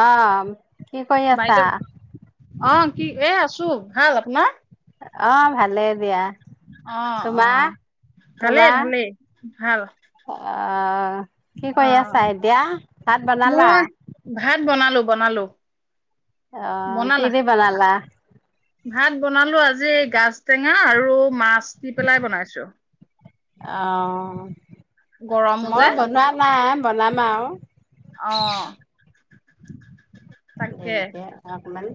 অ', কি কৰি আছা? বাইদেউ অ', কি এ আছোঁ ভাল আপোনাৰ। অ', ভালেই দিয়া তোমাৰ? ভালে তোমাৰ? ভালেই ভাল। অ', কি কৰি অ', আছা এতিয়া ভাত বনালা? মই ভাত বনালো, বনালো। অ', বনালা কিহেদি বনালা? ভাত বনালো, আজি গাজ টেঙা আৰু মাছ দি পেলাই বনাইছোঁ। অ', গৰমো মই যে বনোৱা নাই বনাম আৰু। অ'। তাকে দেৰিকে অকমান।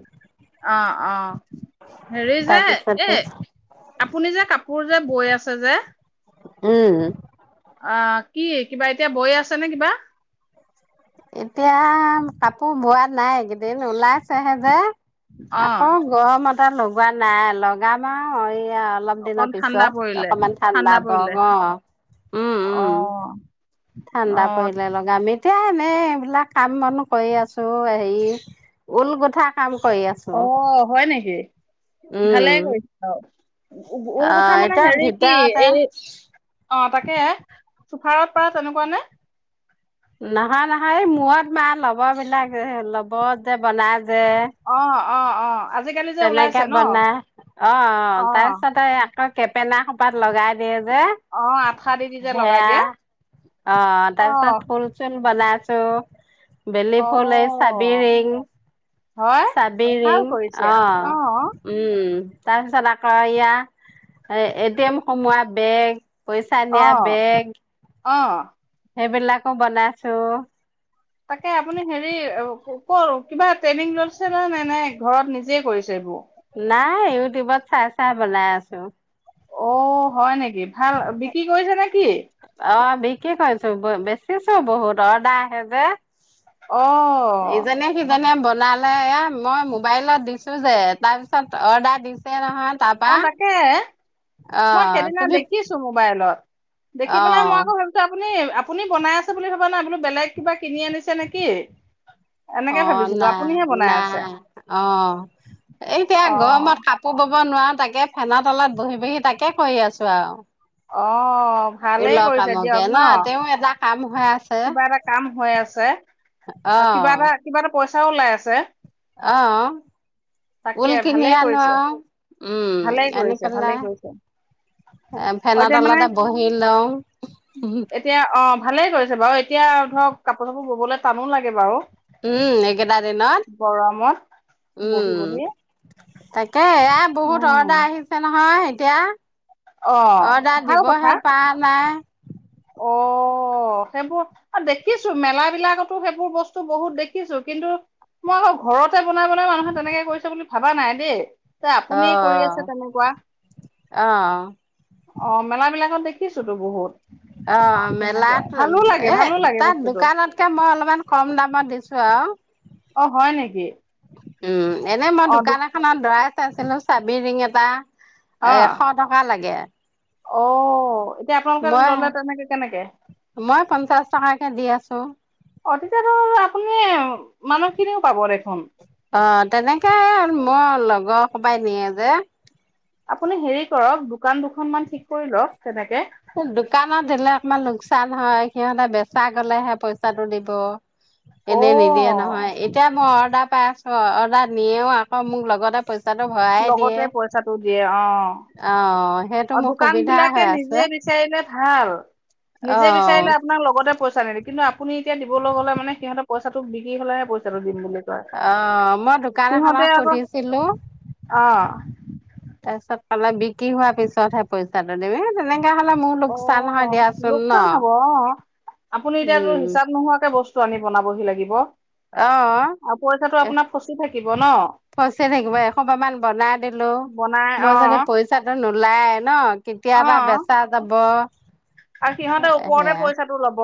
অ', অ', হেৰি যে এ তাৰপিছতে আপুনি যে কাপোৰ যে বৈ আছে যে উম। অ', কি কিবা এতিয়া বৈ আছে নে কিবা এতিয়া কাপোৰ বোৱা নাইকেইদিন ওলাইছেহে যে। অ', আকৌ গৰমতা লগোৱা নাই লগাম আৰু এইয়া অলপ অকন দিনৰ ঠাণ্ডা পিছত পৰিলে অকমান ঠাণ্ডা প পৰিলে গ উম, উম। অ', ঠাণ্ডা অ', পৰিলে লগা আমি এতিয়া এনেই এইবিলাক কাম মানুহ কৰি আছোঁ হেৰি ঊল গোঠা কাম কৰি আছোঁ। অ', হয় নেকি ভালে উম কৰিছে আৰু। উ অ উলকোঠা মানে এতিয়া হেৰি কি ভিতৰতে এই অ', তাকে চুফাৰত পাৰ তেনেকুৱা নে? নহয়, নহয় এই মূৰত মাৰা ল'বৰ বিলাক ল'বৰ যে বনাই যে অ', অ', অ'। আজিকালি যে ওলাইছে তেনেকে ন বনা অ', অ', তাৰপিছতে তই কেপেনা খোপাত লগাই দিয়ে যে। অ আঠা দি দি যে লগাই সেয়া দিয়ে অ', তাৰপিছত ফুল চুল বনাইছো বেলি অ ফুল এই চাবিৰিং হয় ভাল চাবিৰিং কৰিছে অ'। উম, তাৰপিছত আকৌ এয়া এটি এম সোমোৱা বেগ পইচা অ নিয়া বেগ। অ'। সেইবিলাকো বনাইছোঁ। তাকে আপুনি হেৰি ক কিবা ট্ৰেইনিং লৈছে ন নে, নে ঘৰত নিজে কৰিছে এইবোৰ। নাই ইউটিউবত চাই, চাই বনাই আছোঁ। অ', হয় নেকি ভাল বিক্ৰী কৰিছে নেকি? অ', বিকি কৰিছো বেচিছো বহুত অৰ্ডাৰ আহে যে। অ এইজনে কিজনে বনালে এ মই মোবাইলত দিছোঁ যে তাৰপিছত অৰ্ডাৰ দিছে নহয়। তাৰপা অ তাকে অ', তুমি দিখিছো মোবাইলত দেখি অ পেলাই মই আকৌ ভো আপুনি, আপুনি বনাই আছে বুলি ভাবা নাই বোলো বেলেগ কিবা কিনি আনিছে নেকি। এনেকে অ', ভাবিছিলো না আপুনিহে বনাই না আছে অ, এহ এতিয়া অ গৰমত কাপ বব' নোৱাৰোঁ তাকে ফেনৰ তলত বহি-বহি তাকে কৰি আছো আৰু। অ', ভালেই ঊলৰ কৰিছে দিয়ক কামকে ন' তেওঁ এটা কাম হৈ আছ কিবা এটা কাম হৈ আছে, অ আৰু কিবা এটা, কিবা এটা পইচাও ওলাই আছে। অ', তাকে ঊল কিনি ভালেই অনো। কৰিছে উম, ভালেই আনি কৰিছে ভালেই পেলাই কৰিছে এ অ ফেনৰ এতিয়া মানে তলতে বহি লওঁ। এতিয়া অ, ভালেই কৰিছে বাৰু এতিয়া ধৰক কাপোৰ চাপোৰ ব'বলৈ টানো লাগে বাৰু। উম, এইকেইটা দিনত, গৰমত উম, বহি বহি তাকে এয়া বহুত উম অৰ্ডাৰ আহিছে নহয় এতিয়া। অ অৰ্ডাৰ দিবহে পাৰা নাই। অ', অ', সেইবোৰ, দেখিছোঁ মেলা বিলাকতো সেইবোৰ বস্তু বহুত দেখিছোঁ কিন্তু মই আকৌ ঘৰতে বনাই-বনাই মানুহে তেনেকে কৰিছে বুলি ভাবা নাই দে। তে' অ আপুনিয়ে কৰি আছে তেনেকুৱা। অ অ', মেলা বিলাকত দেখিছোঁতো বহুত। অ', তেনেকুৱা মেলাত, ভালো লাগে এ ভালো লাগে তাত বস্তুটো দোকানত এতিয়া মই অলপমান কম দামত দিছোঁ আউ। অ', হয় নেকি? উম এনে মই অ' দু দোকান এখনত [unintelligible] চাইছিলো চাবি ৰিং এটা, অ' এশত টকা লাগে। অ', এতিয়া আপোনালোকে মই ল'লে তেনেকে কেনেকে। মই পঞ্চাশ টকাকে দি আছোঁ। অধিকাৰৰ আপুনি, মানুহখিনিও পাব দেখোন। অ', তেনেকে মোৰ লগৰ খোপাই নিয়ে যে। আপুনি হেৰি কৰক দোকান দুখন মান ঠিক কৰি লওঁক তেনেকে। দোকানত দিলে অকমান লোকচান হয়, সিহঁতে বেচা গ'লেহে পইচাটো দিব। এনে নিদিয়ে অ' নহয় এতিয়া মই অৰ্ডাৰ পাই আছ অ', অৰ্ডাৰ নিয়েও আকৌ মোক লগতে পইচ লগতে পইচাটো দিয়ে অ, অ', অ সেইটো মোৰ দোকান সুবিধা বিলাকে হৈ নিজে আছে। বিচাৰিলে ভাল, অ নিজে বিচাৰিলে আপোনাৰ লগতে পইচা নিদে কিন্তু আপুনি এতিয়া নিবলৈ গ'লে মানে সিহঁতে পইচাটো বিক্ৰী হ'লেহে পইচাটো দিম বুলি কয় অ', মই দোকান সিহঁতে এখনক আকৌ সুধিছিলো। অ তাৰপিছত পালে বিক্ৰী হোৱাৰ পিছতহে পইচাটো [unintelligible] তেনেকে হ'লে মোৰো অ লোকচান হয় দিয়াচোন লোকচান ন'? হব অ আপুনি এতিয়াতো উম হিচাপ নোহোৱাকে বস্তু আনি বনাবহি লাগিব। অ', [unintelligible] এ- আপোনাক ফচি থাকিব ন'। ফচি থাকিব একখোপা মান বনাই দিলোঁ, বনাই মই অ যদি পইচাটো নোলাই ন'। কেতিয়াবা অ বেচা যাব। আৰু সিহঁতে ওপৰতে সেয়া পইচাটো ল'ব,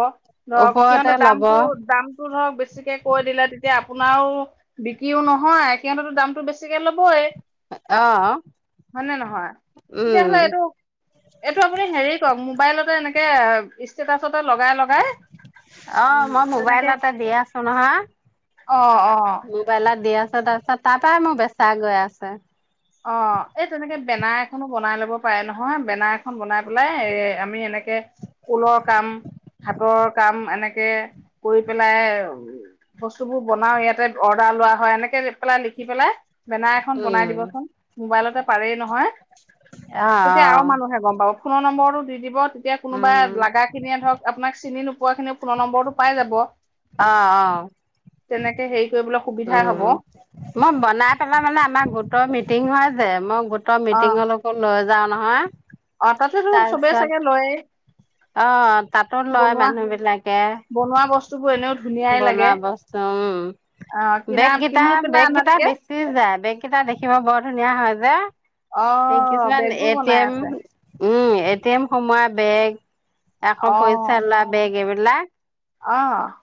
ধৰক ওপৰতে সিহঁতে লব দামতটো দাম টো ধৰক বেছিকে কৈ দিলে তেতিয়া আপোনাৰো বিক্ৰীও নহয় এতিয়াতোটো দামতো বেছিকে ল'বই। অ হয় নে নহয় উম তেতিয়াহ'লে এইটো এইটো আপুনি হেৰি কৰওক মোবাইলতে এনেকে ষ্টেটাচতে লগাই লগাই অ উম মই মোবাইল তেনেকে এটা দি আছো নহয় অ', অ'। [unintelligible] মোবাইলত দি আছো তাৰপিছত তাতেই মোৰ বেচা গৈ আছে অ এই তেনেকে বেনাৰ এখনো বনাই ল'ব পাৰে নহয় বেনাৰ এখন বনাই পেলাই এ আমি এনেকে কুলৰ কাম হাতৰ কাম এনেকে কৰি পেলাই বস্তুবোৰ বনাওঁ ইয়াতে অৰ্ডাৰ লোৱা হয় এনেকৈ পেলাই লিখি পেলাই বেনাৰ এখন বনাই উম দিবচোন মোবাইলতে পাৰেই নহয় অ অ তেতিয়া আৰু মানুহে গম পাব ফোনৰ নম্বৰটো দি দিব তেতিয়া কোনোবা উম লাগাখিনিয়ে ধৰক আপোনাক চিনি নোপোৱা খিনি ফোনৰ নম্বৰটো পাই যাব অ অ তেনেকে হেৰি কৰিবলৈ সুবিধা উম হব উম মই বনাই পেলাই মানে আমাৰ গোটৰ মিটিং হয় যে মই গো ত অ মিটিঙৰ লকো লৈ যাও নহয় অ তাতেতো চবে তাৰপিছত চাগে লয়ে অ তাতো লয় বনোৱা মানুহ বিলাকে বনোৱা বস্তুবোৰ এনেও ধুনীয়াই বনোৱা লাগে বস্তু উ অ' কিনা বেগ কেইটা কিনি পেলাই বেগ কেইটা আনাতকে বেচি যায় বেগ কেইটা দেখিব বৰ ধুনীয়া হয় যে অ' কিছুমান বেগো এ টি বনাই এম আছে উম এ টি এম সোমোৱা বেগ এক পইচা অ' লোৱা বেগ এইবিলাক অ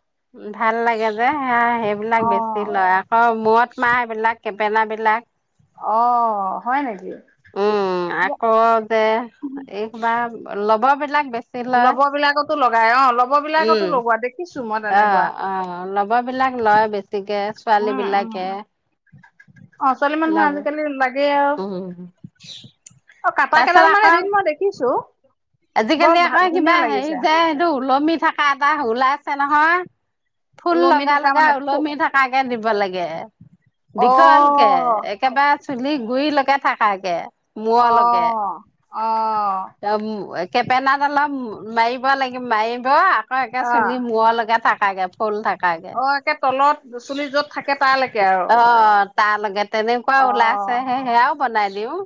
ভাল লাগে যে হেয়া সেইবিলাক বেছি অ' লয় আকৌ মূৰত মাৰা এইবিলাক কেপেনা বিলাক অ হয় নেকি উম ব- আকৌ যে এই কবা লবৰ বিলাক বেছি লয় লব বিলাকতো লগাই অ লব বিলাকতো উম লগোৱা দেখিছো মই তেন অ অ অলপ লবৰ বিলাক লয় বেছিকে ছোৱালী উম উম বিলাকে। অ ছোৱালী মানুহ লাগ আজিকালি লাগেই আৰু। উম অ কাটা তাৰপিছত কেইডাল মান আকৌ এদিন মই দেখিছো। বৰ আজিকালি ভাল আকৌ কিবা ধুনীয়া হেৰি লাগিছে যে সেইটো ওলমি থকা এটা ওলাইছে নহয়। ফুল ওলমি লগা থকা লগা মানে ফু ওলমি থকাকে দিব লাগে অ' দীঘলকে। একেবাৰে চুলি গুৰিলৈকে থাকাকে অ' মূৰলৈকে। অ' অ' ত কেপেনাদাল মাৰিব লাগিব মাৰিব। আকৌ একে চুলি মূৰৰ লগে থাকাকে ফল থাকাকে অ' একে তলত চুলি য'ত থাকে তালৈকে আৰু অ। তাৰ লগে তেনেকুৱা অ' ওলাইছেহে সেয়াও বনাই দিওঁ।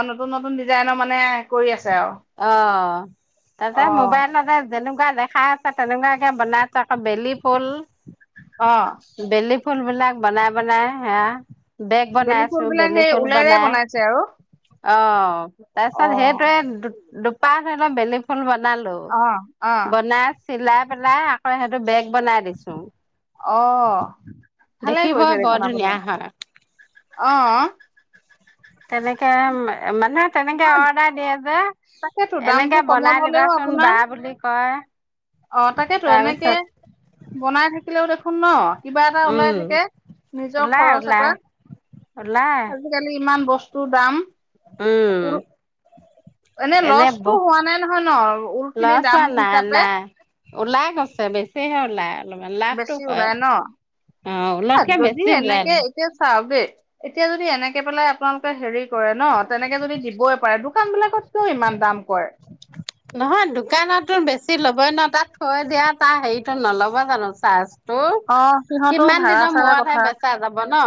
অ নতুন নতুন ডিজাইনৰ মানে কৰি আছে আৰু। অ তাতে অ মোবাইলতে যেনেকুৱা দেখাই আছে তেনেকুৱাকে বনাই আছে আকৌ বেলি ফুল অ বেলি ফুল বিলাক বনাই বনাই হেয়া। বেগ বনাই বেলি আছো ফুল বিলাক বেলি সেই ফুল ওলেৰে বনাই। বনাইছে আৰু অ তাৰ পিছত অ সেইটয়ে দু-দুপাহ ধৰি লও বেলি ফুল বনালো। অ অ বনাই চিলাই পেলাই আকৌ সেইটো বেগ বনাই অ ভালে দেখিব বৰ ধুনীয়া হয়। অঁ অঁ' কেনেকে এ মানে- তেনেকে অ অৰ্ডাৰ দিয়ে যে তাকেতো দামটো এনেকে কমত বনাই হলেও দিবাচোন বা বুলি কয়। অঁ' তাকেতো এনেকে তাৰপিছত বনাই থাকিলেও দেখোন ন। কিবা এটা ওলাই উম থাকে নিজৰ ওলাই খৰচ ওলাই এটা। ওলাই আজিকালি ইমান বস্তুৰ দাম। উম' ঊল এনে লচটো ব হোৱা নাই নহয় ন ঊল লৱা খিনি দাম চৱা নাই হিচাপে নাই। ওলাই গৈছে বেছিহে ওলাই। অলপমান লাভটো বেছি হয়, ওলাই ন অঁ আ, ওলটকে যদি বেছি ওলাই। এনেকে এতিয়া চাওক দেই এতিয়া যদি এনেকে পেলাই আপোনালোকে হেৰি কৰে ন তেনেকে যদি দিবই পাৰে- দোকান বিলাকত কিয় ইমান দাম কৰে? নহয় দোকানতো বেছি ল'বই ন, তাথ থৈ দিয়া তাৰ হেৰিতো নল'ব জানো চাৰ্জ। তোৰ অ সিহঁতও কিমান ভাড়া দিনৰ চাৰা মূৰতহে কথা বেচা যাব ন।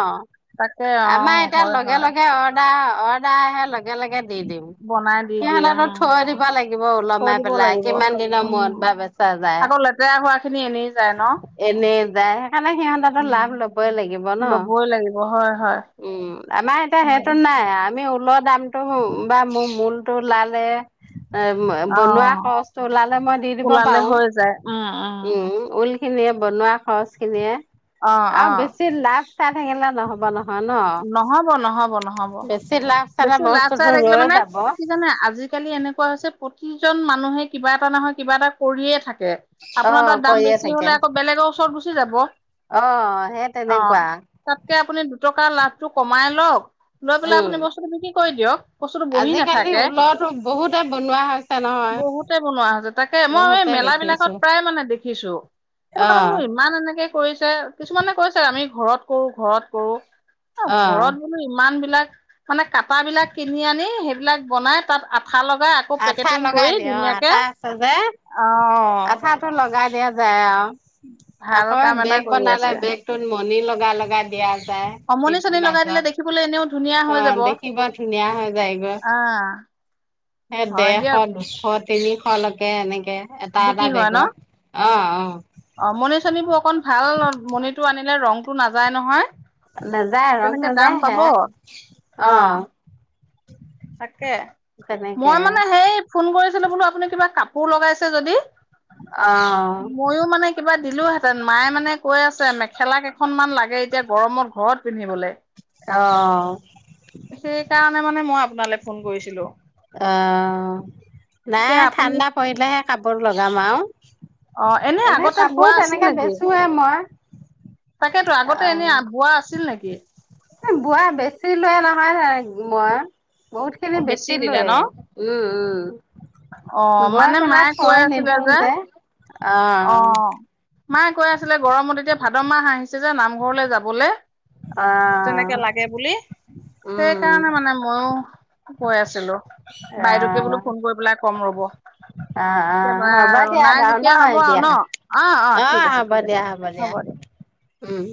তাকে অ আমাৰ এতিয়া হয় লগে হয় লগে অৰ্ডাৰ অত- দাই আহে লগে লগে দি দিম বনাই দি দিয়ে সিহঁতেতো উম থৈ দিবা লাগিব থৈ ওলমাই। দিব পেলাই লাগিব কিমান দিনৰ উম মূৰত বা বেচা যায়? আকৌ লেতেৰা হোৱা খিনি এনেই যায় ন এনেই যায় সেইকাৰণে সিহঁততো লাভ লবই লাগিব ন। বই লাগিব হয়। হয় উম' আমাৰ এতিয়া হয় সেইটো নাই আমি ওলৰ দাম- টো বা মোৰ মূলতটো উলালে- এ অ বনোৱা খৰচটো ওলালে মই দি দিব ওলালে পাৰো হৈ যায় উম উম ঊল- খিনিয়ে বনোৱা খৰচ খিনিয়ে অ অ আৰু বেছি লাভ চাই থাকিলে- ব নহয় ন। নহ'ব নহ'ব নহ'ব বেছি লাভ চালে বস্তুতোটো ৰৈ যাব। সেইকানে আজিকালি এনেকুৱা হৈছে প্ৰতিজন মানুহে কিবা এটা নহয় কিবা এটাত- পৰিয়ে থাকে আপোনাৰ অ', তাত দাম কৰিয়ে বেছি হলে আকৌ বেলেগৰ ওচৰত গুচি যাব। অঁ সে অ তেনেকুৱা। তাতকে আপুনি দুটকা লাভটো কমাই লওক- লৈ পেলাই উম। আপুনি বস্তুটো বিক্ৰী কৰি দিয়ক বস্তুটো বহি আজিকালি নাথাকে। ঊলৰতো বহুতে বনোৱা হৈছে নহয়। বহুতে বনোৱা হৈছে তাকে, মই এই বহুতে মেলা বিলাকত দেখিছো প্ৰায় মানে দেখিছো। সেটো কাৰণে বোলো অ', ইমান এনেকে- কৰিছে কিছুমানে কৈছে আমি ঘৰত কৰো ঘৰত কৰো। এ অ', ঘৰত- ইমান বিলাক মানে কাটা বিলাক কিনি আনি সেইবিলাক বনাই তাত আঠা লগাই- আকৌ আঠা পেকেটিং লগাই কৰি দিয়ে অ', ধুনীয়াকে, আঠা অঁ- তে লগাই দিয়া যায় আও। [inaudible] আকৌ এ কাম এটা বেগ কৰি বনালে আছে বেগটোত মণি লগাই লগাই দিয়া আছে অমনি চমনি লগাই দিলে মাজত। দেখিবলৈ এনেও ধুনীয়া হৈ অঁ' যাব দেখিব ধুনীয়া হৈ যায়গৈ। আহ সে হয় ডেৰশ, দিয়ক দুশ, তিনিশলৈকে এনেকে এটা এটা বেগত। অঁ অঁ' অঁ মনি চনিবোৰ অকন ভাল মনিটো আনিলে ৰংটো নাযায় নাযায় নহয়। ৰং তেনেকে নাযায় দাম হে পাব, অ অঁ'। তাকে, তেনেকে মই মানে সেই- ফোন কৰিছিলোঁ বোলো আপুনি কিবা কাপোৰ লগাইছে যদি। অ। ময়ো মানে কিবা দিলোহেঁতেন। মায়ে মানে কৈ আছে মেখেলা কেইখনমান লাগে এতিয়া গৰমত ঘৰত পিন্ধিবলৈ। অ। সেই কাৰণে মানে মই আপোনালৈ ফোন কৰিছিলোঁ। অ, নাই, আপুনি ঠাণ্ডা পৰিলেহে কাপোৰ লগাম আৰু। অ এনে আগতে বোৱা কাপোৰ আছিল তেনেকে নেকি? বেচোৱে মই। তাকেতো আগতে এনে অ বোৱা আছিল নেকি? বোৱা বেছি লোৱা নহয়। বহুত অ খিনি বেছি দিলে বেছিলোৱে। ন? উম- অ উম, বই মানে পেলাই মায়ে কৈ থয় আছিলে নিদিওঁ যে। অ, আহ মায়ে কৈ আছিলে গৰমত এতিয়া, ভাদ মাহ আহিছে আহিছে যে, নামঘৰলৈ যাবলৈ তেনেকে আহ লাগে বুলি। সেইকাৰণে মানে মইও কৈ আছিলো। বাইদেউকে বোলো ফোন কৰি পেলাই কম ৰ'ব। অ- অ, একেবাৰে হ'ব আৰু দিয়া। নাই যেতিয়া হ'ব জানই আৰু দিয়া। ন অ, ঠিক আছে হ'ব ঠিক আছে দিয়া, হ'ব দিয়া, দে উম।